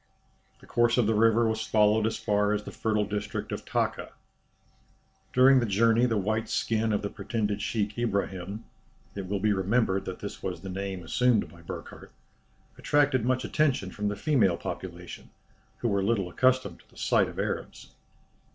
The course of the river was followed as far as the fertile district of Taka. During the journey the white skin of the pretended sheik Ibrahim (it will be remembered that this was the name assumed by Burckhardt) attracted much attention from the female population, who were little accustomed to the sight of Arabs.